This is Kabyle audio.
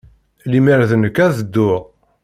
Lemmer d nekk, ad dduɣ.